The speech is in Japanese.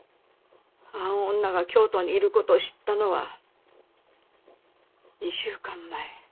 あの女が京都にいる事を知ったのは２週間前。